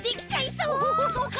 そうか！